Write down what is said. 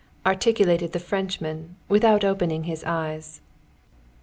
_" articulated the Frenchman, without opening his eyes.